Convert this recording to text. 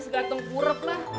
segalau tengku rep lah